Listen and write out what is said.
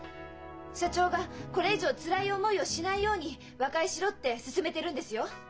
社長がこれ以上つらい思いをしないように「和解しろ」って勧めてるんですよ。